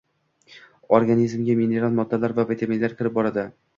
Organizmga mineral moddalar va vitaminlar kirib boradi.